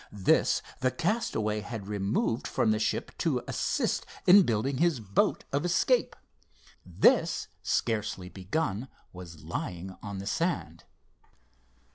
This the castaway had removed from the ship to assist in building his boat of escape. This, scarcely begun, was lying on the sand.